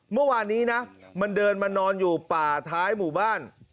เมื่อวานนี้นะมันเดินมานอนอยู่ป่าท้ายหมู่บ้าน